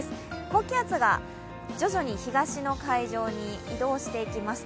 高気圧が徐々に東の海上に移動していきます。